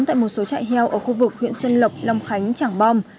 tại một số trại heo ở khu vực huyện xuân lộc long khánh trảng bom